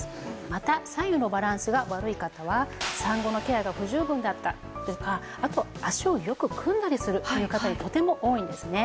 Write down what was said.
また左右のバランスが悪い方は産後のケアが不十分だったとかあとは足をよく組んだりするという方にとても多いんですね。